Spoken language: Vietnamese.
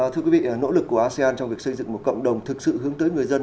thưa quý vị nỗ lực của asean trong việc xây dựng một cộng đồng thực sự hướng tới người dân